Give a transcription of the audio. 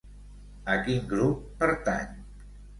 A quin grup pertany?